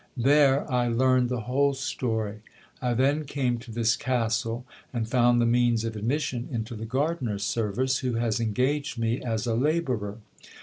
There, I learned the whole story. I then came to this castle, and found the means of admission into the gardener's service, who has engaged me as a labourer.